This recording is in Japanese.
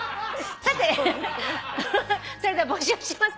さてそれでは募集します。